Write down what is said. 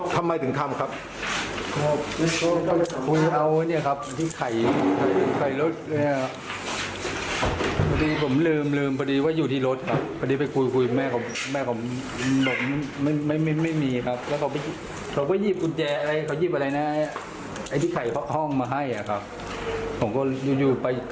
ถามไปถามมาผมเลยคิดยังไงพูดว่าหยิบมีดมันแทงอย่างนั้น